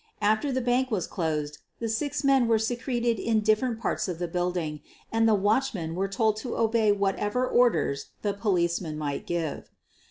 After the bank was closed the six men were secreted in different parts of the building and the watchmen were told to obey whatever orders the policemen might give.